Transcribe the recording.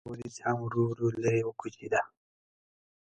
دا وریځ هم ورو ورو لرې وکوچېده.